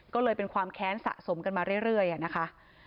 ก็เลยเป็นความแค้นสะสมกันมาเรื่อยนะคะ